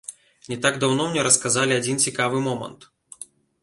Не так даўно мне расказалі адзін цікавы момант.